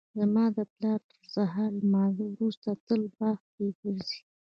زما پلار د سهار له لمانځه وروسته تل په باغ کې ګرځي